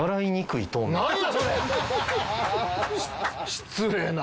失礼な。